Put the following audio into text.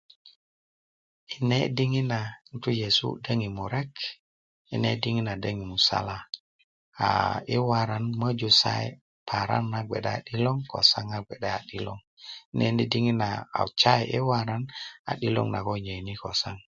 ne' diŋet na ŋutu' yesu daŋin murek ne' diŋet daŋin musala aa yi waran moju sayi paran gwe a 'diloŋ kosaŋ a gwe a 'diloŋ nene' diŋit na sayi yi waran a 'diloŋ na ko nyeyini kosaŋ